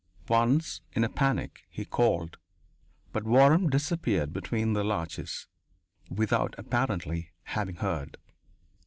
Once, in a panic, he called. But Waram disappeared between the larches, without, apparently, having heard.